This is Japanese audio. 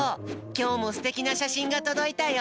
きょうもすてきなしゃしんがとどいたよ。